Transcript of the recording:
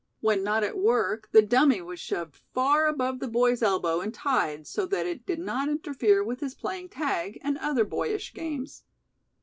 When not at "work" the "dummy" was shoved far above the boy's elbow and tied so that it did not interfere with his playing "tag", and other boyish games.